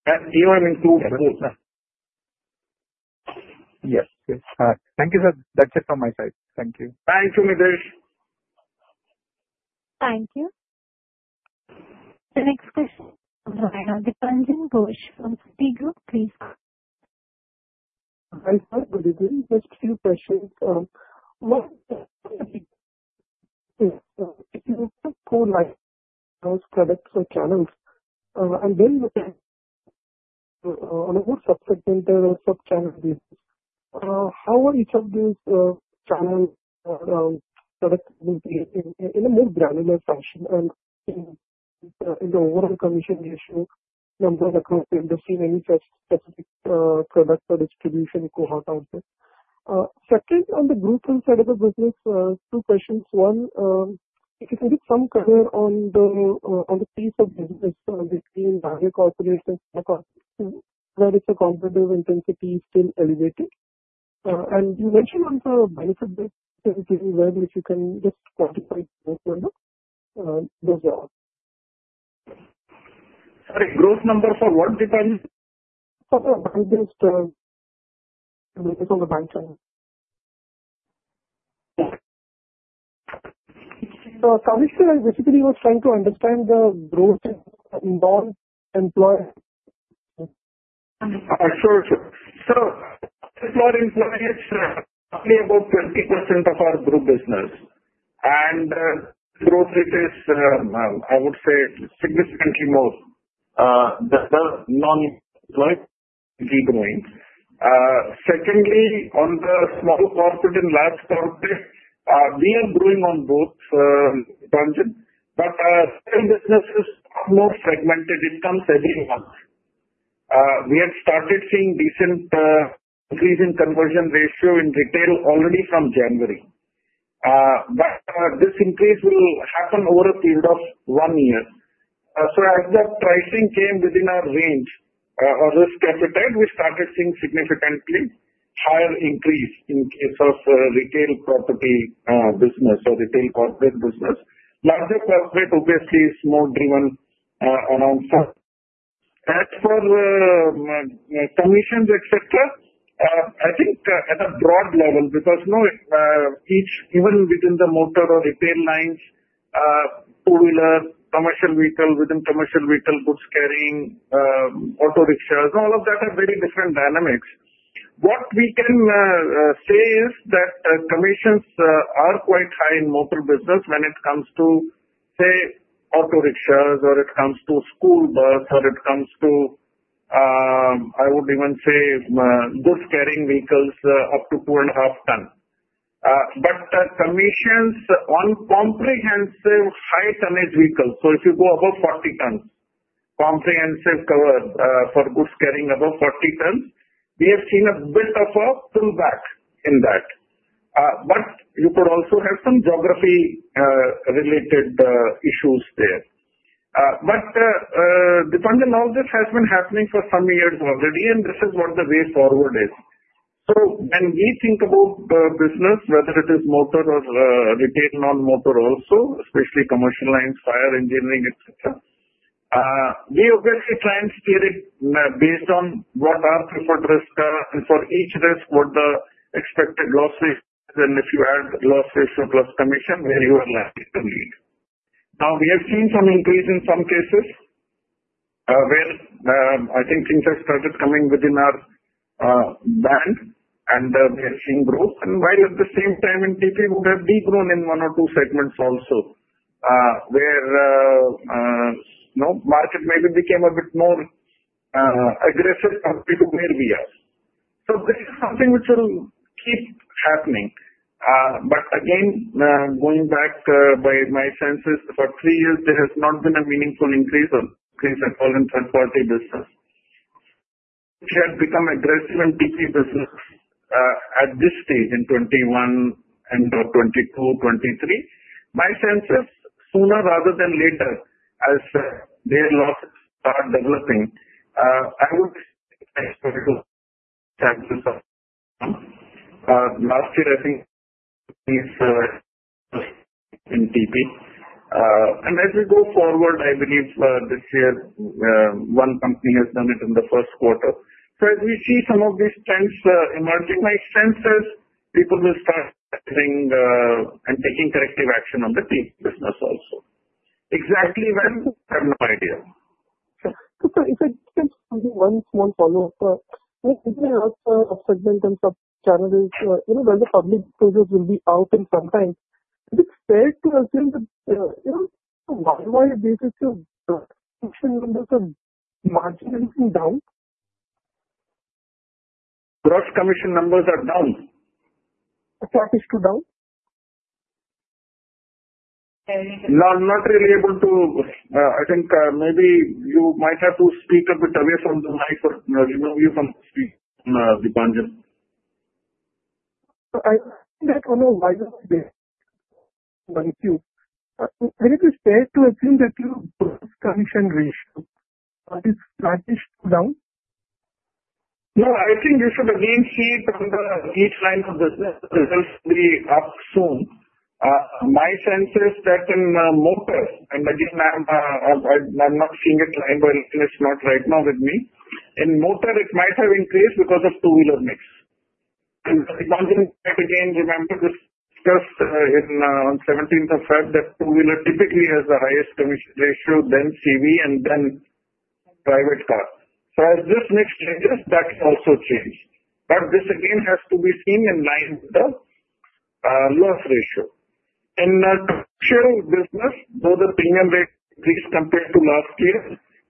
And EOM includes both. Yes. Thank you, sir. That's it from my side. Thank you. Thank you, Nidhesh. Thank you. The next question is from Dipanjan Ghosh from Citigroup, please. Hi, sir. Good evening. Just a few questions. If you look at the core lines channels, and then looking on a more subsegment or sub-channel basis, how are each of these channels performing in a more granular fashion and in the overall commission ratio number across the industry? In any specific product or distribution cohort out there? Second, on the group insurance side of the business, two questions. One, if you can give some color on the piece of business between direct operators and smaller companies, where is the competitive intensity still elevated? And you mentioned on the just quantify the growth number. Those are all. Sorry, growth number for what? For the bank-based business on the bank channel. So Kamesh, I basically was trying to understand the growth in Sure, sure. So are only about 20% of our group business. And growth rate is, I would say, significantly more than the non-employed people. Secondly, on the small corporate and large corporate, we are growing on both, Dipanjan. But retail business is more segmented. It comes every month. We have started seeing decent increase in conversion ratio in retail already from January. But this increase will happen over a period of one year. So as the pricing came within our range or risk appetite, we started seeing significantly higher increase in case of retail property business or retail corporate business. Larger corporate, obviously, is more driven around. As for commissions, etc., I think at a broad level, because even within the motor or retail lines, two-wheeler, commercial vehicle, within commercial vehicle, goods carrying, auto rickshaws, all of that are very different dynamics. What we can say is that commissions are quite high in motor business when it comes to, say, auto rickshaws, or it comes to school bus, or it comes to, I would even say, goods carrying vehicles up to 2.5 tons. But commissions on comprehensive high-tonnage vehicles, so if you go above 40 tons, comprehensive cover for goods carrying above 40 tons, we have seen a bit of a pullback in that. But you could also have some geography-related issues there. But Dipanjan, all this has been happening for some years already, and this is what the way forward is. So when we think about the business, whether it is motor or retail non-motor also, especially commercial lines, Fire, Engineering, etc., we obviously try and steer it based on what our preferred risk is, and for each risk, what the expected loss ratio is, and if you add loss ratio plus commission, where you are likely to lead. Now, we have seen some increase in some cases where I think things have started coming within our band, and we have seen growth. And while at the same time, in TP, we have degrown in one or two segments also where market maybe became a bit more aggressive compared to where we are. So there is something which will keep happening. But again, going back by my senses, for three years, there has not been a meaningful increase or We have become aggressive in TP business at this stage in 2021 and/or 2022, 2023. My sense is sooner rather than later, as their losses start developing, I would. Last year, I think, was in TP. And as we go forward, I believe this year, one TP has done it in the first quarter. So as we see some of these trends emerging, my sense is people will start getting and taking corrective action on the TP business also. Exactly when, I have no idea. So if I can just do one small follow-up. I mean, in the last segment on sub-channels, when the public figures will be out in some time, is it fair to assume that the worldwide basis of commission numbers are marginalizing down? Gross commission numbers are down. A sharpish to down? Not really able to. I think maybe you might have to speak a bit away from the mic or remove you from the speaker, Dipanjan. So I think that on a wider scale, when it is fair to assume that your gross commission ratio is shifting down? No, I think you should again see from each line of business. Results will be up soon. My sense is that in Motor, and again, I'm not seeing it live while it's not right now with me. In Motor, it might have increased because of two-wheeler mix, and Dipanjan, again, remember this discussed on 17th of February that two-wheeler typically has the highest commission ratio, then CV, and then private car, so as this mix changes, that also changes, but this again has to be seen in line with the loss ratio. In commercial business, though the premium rate increased compared to last year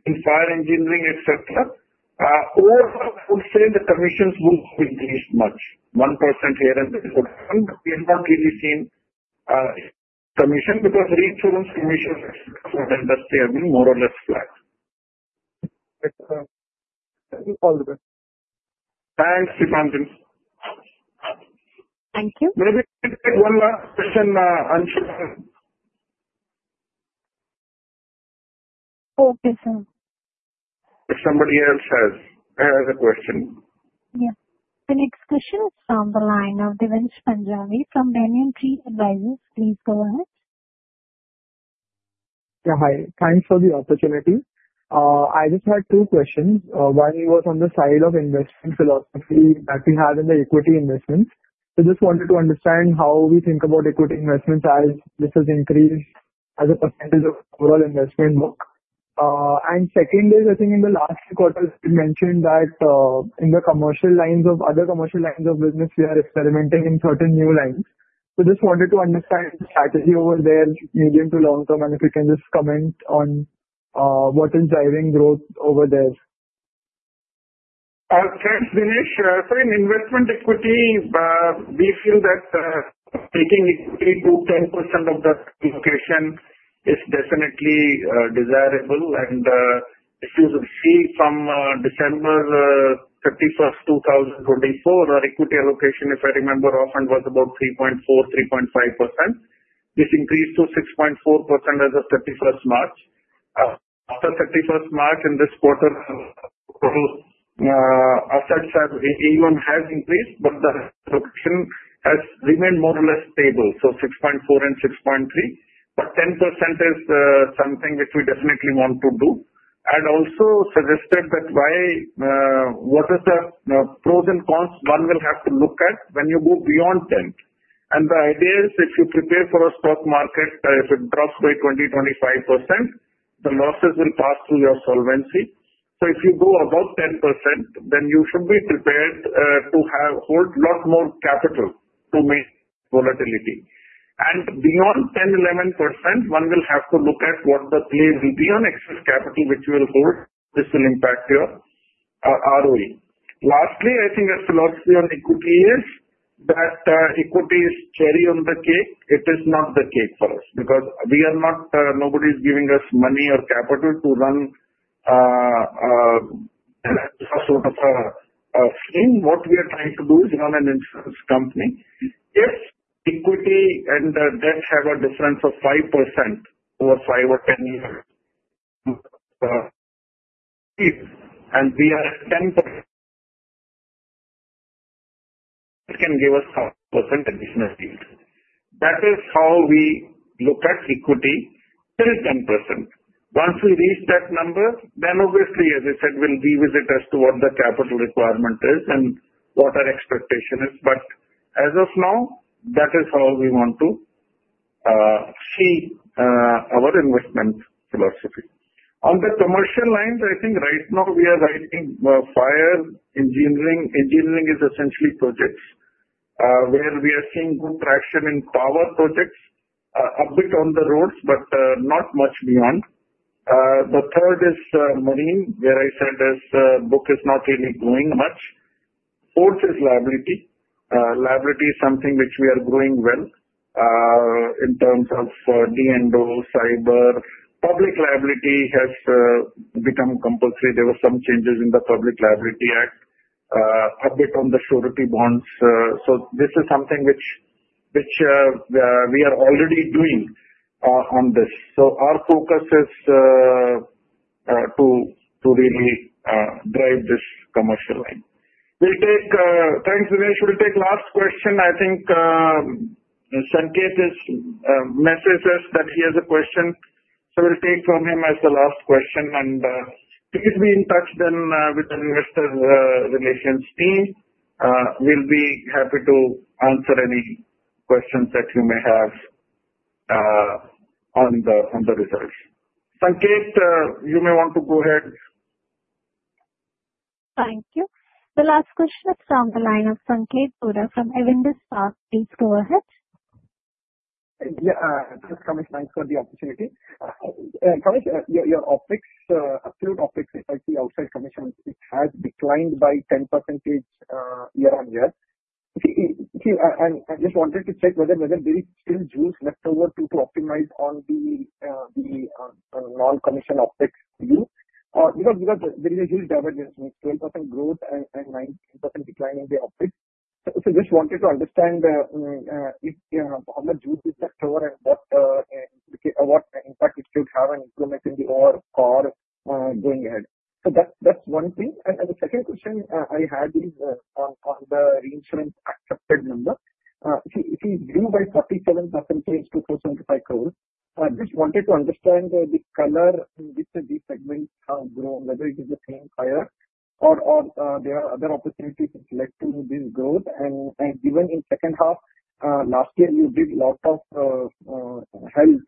in Fire, engineering, etc., overall, I would say the commissions won't increase much, 1% here and there, but we have not really seen commission because reinsurance commissions for the industry have been more or less flat. All the best. Thanks, Dipanjan. Thank you. Maybe one last question, Anshuman. Okay, sir. If somebody else has a question? Yeah. The next question is from the line of Divij Punjabi from Banyan Tree Advisors, please go ahead. Yeah, hi. Thanks for the opportunity. I just had two questions. One was on the side of investment philosophy that we have in the equity investments. So I just wanted to understand how we think about equity investments as this has increased as a percentage of overall investment work. And second is, I think in the last quarter, you mentioned that in the commercial lines of other commercial lines of business, we are experimenting in certain new lines. So I just wanted to understand the strategy over there, medium to long term, and if you can just comment on what is driving growth over there. Okay, Divij, so in investment equity, we feel that taking equity to 10% of the allocation is definitely desirable. And if you see from December 31st, 2024, our Equity allocation, if I remember, often was about 3.4%, 3.5%. This increased to 6.4% as of 31st March. After 31st March in this quarter, assets have EOM has increased, but the allocation has remained more or less stable, so 6.4% and 6.3%. But 10% is something which we definitely want to do. I'd also suggested that what are the pros and cons one will have to look at when you go beyond 10%. And the idea is if you prepare for a stock market, if it drops by 20%, 25%, the losses will pass through your solvency. So if you go above 10%, then you should be prepared to hold a lot more capital to manage volatility. Beyond 10%, 11%, one will have to look at what the play will be on excess capital which you will hold. This will impact your ROE. Lastly, I think a philosophy on Equity is that Equity is cherry on the cake. It is not the cake for us because we are not nobody is giving us money or capital to run sort of a scheme. What we are trying to do is run an insurance company. If equity and debt have a difference of 5% over 5 or 10 years, and we are at 10%, it can give us some percent additional yield. That is how we look at equity till 10%. Once we reach that number, then obviously, as I said, we'll revisit as to what the capital requirement is and what our expectation is. But as of now, that is how we want to see our investment philosophy. On the commercial lines, I think right now we are writing Fire, Engineering. Engineering is essentially projects where we are seeing good traction in power projects, a bit on the roads, but not much beyond. The third is Marine, where I said the book is not really growing much. Fourth is Liability. Liability is something which we are growing well in terms of D&O, cyber. Public Liability has become compulsory. There were some changes in the Public Liability Act, a bit on the surety bonds. So this is something which we are already doing on this. So our focus is to really drive this commercial line. Thanks, Divij. We'll take the last question. I think Sanket's message is that he has a question. So we'll take from him as the last question. Please be in touch then with the investor relations team. We'll be happy to answer any questions that you may have on the results. Sanket, you may want to go ahead. Thank you. The last question is from the line of Sanket Godha from Avendus Spark. Please go ahead. Yeah, just Kamesh, thanks for the opportunity. Kamesh, your OpEx, absolute OpEx, if I see outside commission, it has declined by 10% year-on-year. And I just wanted to check whether there is still juice left over to optimize on the non-comission OpEx view because there is a huge divergence, 12% growth and 19% decline in the OpEx. So I just wanted to understand how much juice is left over and what impact it could have on improvements in the overall combined ratio going ahead. So that's one thing. And the second question I had is on the reinsurance accepted number. If you grew by 47% to I just wanted to understand the color in which these segments have grown, whether it is the same higher or there are other opportunities to select to move this growth. Given in second half last year, you had a lot of help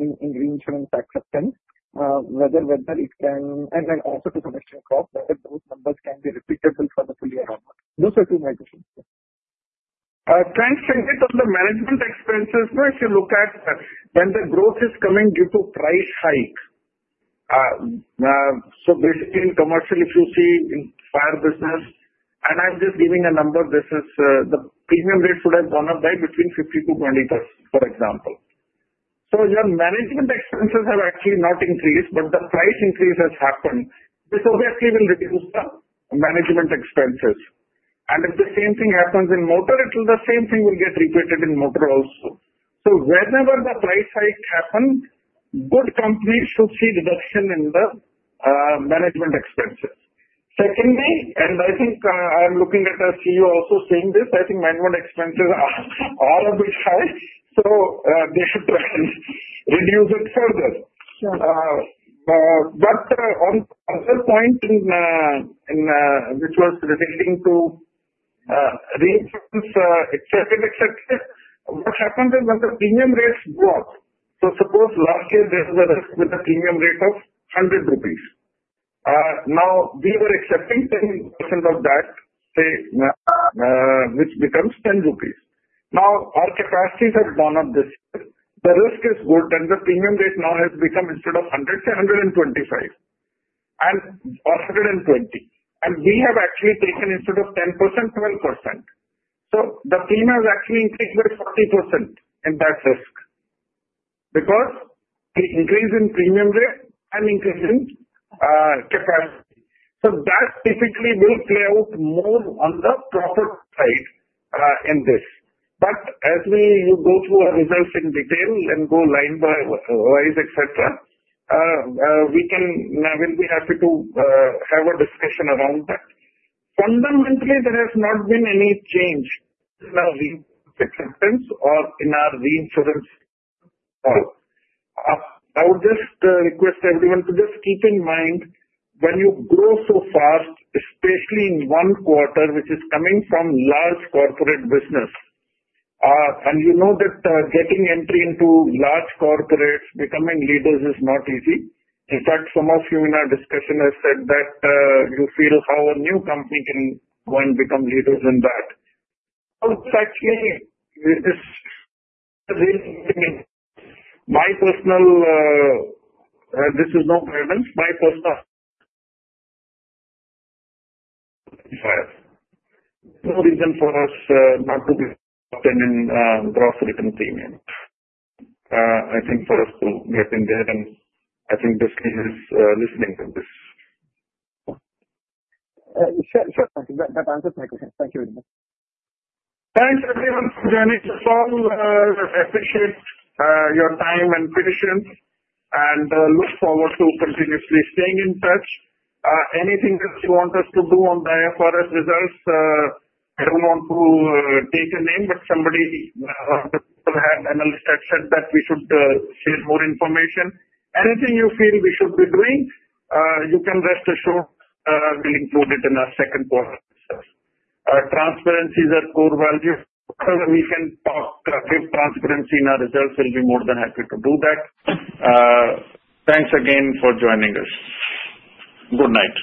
in reinsurance acceptance, whether it can whether those numbers can be repeatable for the full year or not. Those are my two questions. Thanks, Sanket. On the management expenses, if you look at when the growth is coming due to price hike, so basically in commercial, if you see in Fire business, and I'm just giving a number, the premium rate should have gone up by between 50% to 20%, for example. So your management expenses have actually not increased, but the price increase has happened. This obviously will reduce the management expenses. If the same thing happens in Motor, it will, the same thing will get repeated in Motor also. Whenever the price hike happens, good companies should see reduction in the management expenses. Secondly, I think I'm looking at a CEO also saying this. I think management expenses are already high, so they should reduce it further. But on the other point, which was relating to reinsurance, etc., etc., what happens is when the premium rates go up. So suppose last year there was a risk with a premium rate of 100 rupees. Now we were accepting 10% of that, which becomes 10 rupees. Now our capacities have gone up this year. The risk is good, and the premium rate now has become instead of 100, 125, or 120. And we have actually taken instead of 10%, 12%. So the premium has actually increased by 40% in that risk because the increase in premium rate and increase in capacity. So that typically will play out more on the profit side in this. But as we go through our results in detail and go line-wise, etc., we will be happy to have a discussion around that. Fundamentally, there has not been any change in our reinsurance or in our reinsurance call. I would just request everyone to just keep in mind when you grow so fast, especially in one quarter, which is coming from large corporate business. And you know that getting entry into large corporates, becoming leaders is not easy. In fact, some of you in our discussion have said that you feel how a new company can go and become leaders in that. So actually, my personal, this is no guidance, my personal no reason for us not to be involved in gross written premium. I think for us to get in there, and I think this makes sense listening to this. Sure, thank you. That answers my question. Thank you very much. Thanks, everyone, for joining us all. I appreciate your time and patience, and look forward to continuously staying in touch. Anything else you want us to do on the IFRS results? I don't want to take a name, but somebody on the call had said that we should share more information. Anything you feel we should be doing, you can rest assured we'll include it in our second quarter. Transparency is our core value. We can talk, give transparency in our results. We'll be more than happy to do that. Thanks again for joining us. Good night.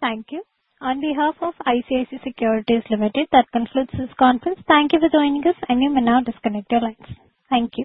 Thank you. On behalf of ICICI Securities Limited, that concludes this conference. Thank you for joining us, and you may now disconnect your lines. Thank you.